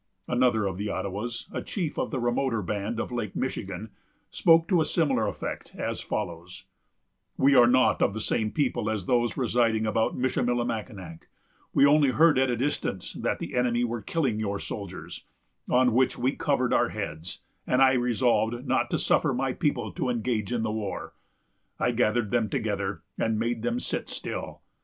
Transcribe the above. Another of the Ottawas, a chief of the remoter band of Lake Michigan, spoke to a similar effect, as follows: "We are not of the same people as those residing about Michillimackinac; we only heard at a distance that the enemy were killing your soldiers, on which we covered our heads, and I resolved not to suffer my people to engage in the war. I gathered them together, and made them sit still.